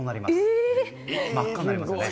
瓶も真っ赤になりますよね。